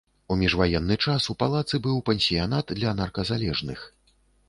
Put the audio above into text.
У міжваенны час у палацы быў пансіянат для нарказалежных.